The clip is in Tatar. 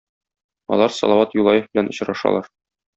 Алар Салават Юлаев белән очрашалар.